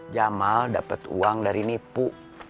jamal dapat uang dari nipu